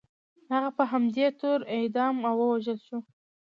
هغه په همدې تور اعدام او ووژل شو.